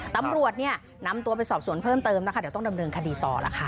ตำรวจเนี่ยนำตัวไปสอบสวนเพิ่มเติมนะคะเดี๋ยวต้องดำเนินคดีต่อล่ะค่ะ